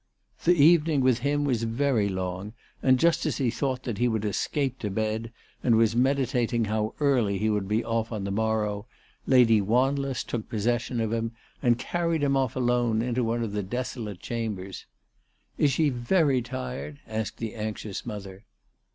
The evening with him was very long, and just as he thought that he would escape to bed, and was meditating how early he would be off on the morrow, Lady Wanless took possession of him and carried him off alone into one of the desolate ALICE DUODALE. 379 chambers. " Is she very tired ?" asked the anxious mother.